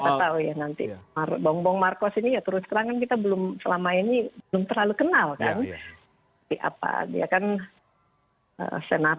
kita tahu ya nanti bombo marcos ini terus terang kan kita selama ini belum terlalu kenal kan